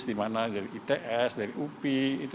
di mana dari its dari upi itu